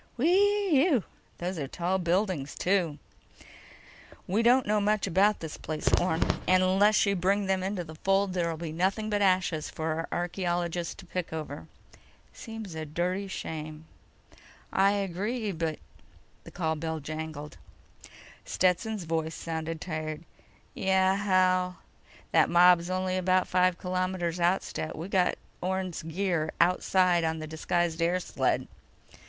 "Whee ew! Those are tall buildings, too." "We don't know much about this place, Orne. And unless you bring them into the fold, there'll be nothing but ashes for our archaeologists to pick over." "Seems a dirty shame." "I agree, but—" The call bell jangled. Stetson's voice sounded tired: "Yeah, Hal?" "That mob's only about five kilometers out, Stet. We've got Orne's gear outside in the disguised air sled."